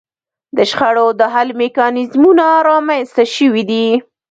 د شخړو د حل میکانیزمونه رامنځته شوي دي